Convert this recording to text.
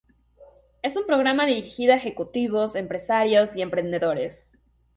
Es un programa dirigido a ejecutivos, empresarios y emprendedores.